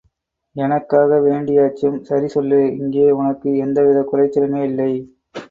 எனக்காக வேண்டியாச்சும் சரி சொல்லு, இங்கே உனக்கு எந்தவிதக் குறைச்சலுமே இல்லை.